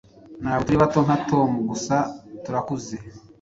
Ntabwo turi bato nka Tom gusa turakuze